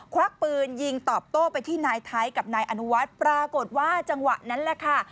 ควักปืนยิงตอบโต้ไปที่นายไทยกับนายอนุวัฒน์ปรากฏว่าจังหวะนั้นแหละค่ะ